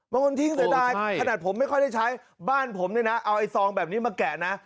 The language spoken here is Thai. บางคนทิ้งแสดงขนาดผมไม่ค่อยได้ใช้บ้านผมเอาซองแบบนี้มาแกะ